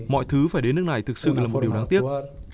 mọi thứ phải đến nước này thực sự là một điều đáng tiếc